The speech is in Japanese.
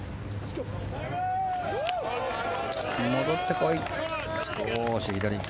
戻ってこい。